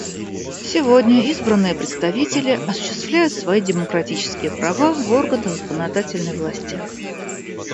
Сегодня избранные представители осуществляют свои демократические права в органах законодательной власти.